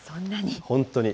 本当に。